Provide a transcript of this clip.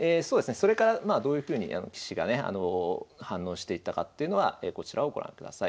それからどういうふうに棋士がね反応していったかというのはこちらをご覧ください。